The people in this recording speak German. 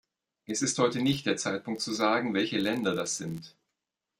Es ist heute nicht der Zeitpunkt zu sagen, welche Länder das sind.